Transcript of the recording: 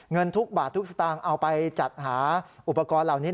เงินทุกบาททุกสตางค์เอาไปจัดหาอุปกรณ์เหล่านี้